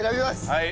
はい。